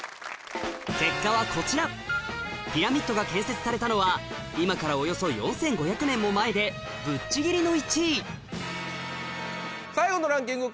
結果はこちらピラミッドが建設されたのは今からおよそ４５００年も前でぶっちぎりの１位最後のランキング